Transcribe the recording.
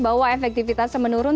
bahwa efektivitas semenurun